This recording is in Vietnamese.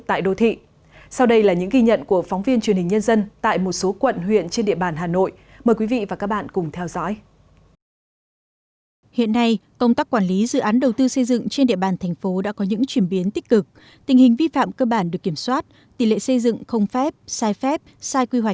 tại đô thị sau đây là những ghi nhận của phóng viên truyền hình nhân dân tại một số quận huyện trên địa bàn hà nội